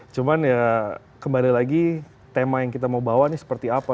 cuman ya kembali lagi tema yang kita mau bawa ini seperti apa